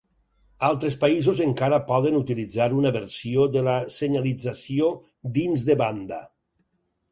Altres països encara poden utilitzar una versió de la senyalització dins de banda.